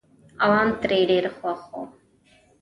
عوام ترې ډېر خوښ وو.